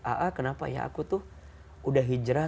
aa kenapa ya aku tuh udah hijrah